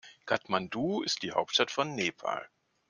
Kathmandu ist die Hauptstadt von Nepal.